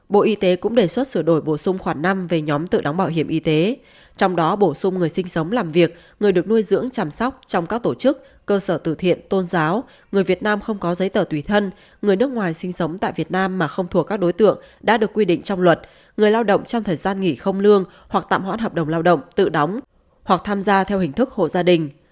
bộ y tế cũng đề xuất sửa đổi bổ sung khoản năm về nhóm tự đóng bảo hiểm y tế trong đó bổ sung người sinh sống làm việc người được nuôi dưỡng chăm sóc trong các tổ chức cơ sở tử thiện tôn giáo người việt nam không có giấy tờ tùy thân người nước ngoài sinh sống tại việt nam mà không thuộc các đối tượng đã được quy định trong luật người lao động trong thời gian nghỉ không lương hoặc tạm hoãn hợp đồng lao động tự đóng hoặc tham gia theo hình thức hộ gia đình